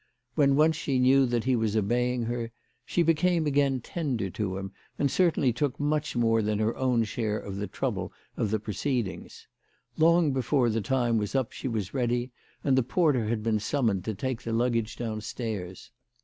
When once she knew that he was obeying her she became again tender to him, and certainly took much more than her own share of the trouble of the proceed ings. Long before the time was up she was ready, and the porter had been summoned to take the luggage downstairs.